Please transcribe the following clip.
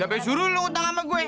sampe suruh lo utang ama gue